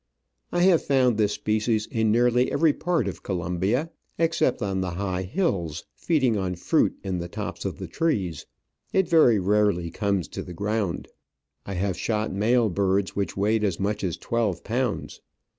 I have found this species in nearly every part of Colombia, except on the high hills, feed ing on fruit in the tops of the trees ; it very rarely comes to the ground. I have shot male birds which weighed as much as twelve pounds.